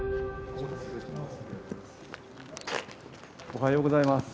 おはようございます。